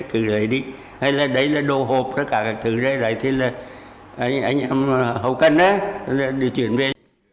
thứ đấy đi hay là đấy là đồ hộp tất cả là thứ đấy đấy là anh em hậu cân đó để chuyển về